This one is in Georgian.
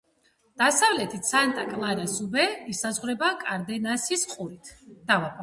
დასავლეთით სანტა-კლარას უბე ისაზღვრება კარდენასის ყურით.